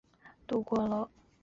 肌束膜。